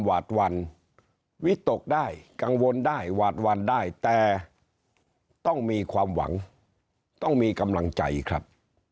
หวาดวันวิตกได้กังวลได้หวาดวันได้แต่ต้องมีความหวังต้องมีกำลังใจครับ